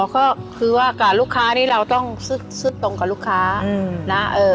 ก็คือว่ากับลูกค้านี้เราต้องซึดตรงกับลูกค้านะ